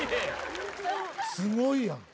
すごいやん。